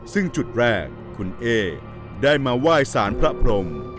ซึ่งจุดแรกคุณเอ๊ได้มาไหว้สารพระพรม